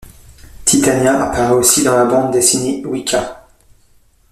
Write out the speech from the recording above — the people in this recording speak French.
Titania apparaît aussi dans la bande-dessinée Wika.